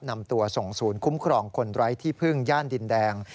นำตัวส่งศูนย์คุ้มครองคนไร้ที่พึ่งย่านดินแดง